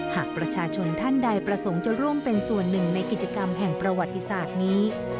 หากประชาชนท่านใดประสงค์จะร่วมเป็นส่วนหนึ่งในกิจกรรมแห่งประวัติศาสตร์นี้